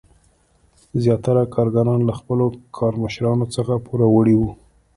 زیاتره کارګران له خپلو کارمشرانو څخه پوروړي وو.